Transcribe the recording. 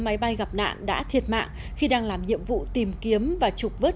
máy bay gặp nạn đã thiệt mạng khi đang làm nhiệm vụ tìm kiếm và trục vớ